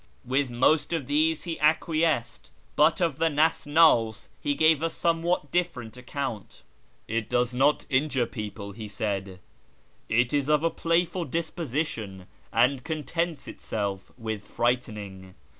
With most of these he acquiesced, but of the Nasnas he gave a somewhat different account. " It does not injure people "; he said, " it is of a playful disposition, and contents itself with frightening.